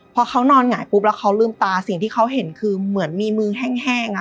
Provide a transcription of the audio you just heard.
พอเขานอนหงายปุ๊บแล้วเขาลืมตาสิ่งที่เขาเห็นคือเหมือนมีมือแห้ง